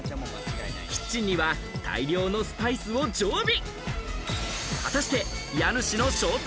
キッチンには大量のスパイスを常備。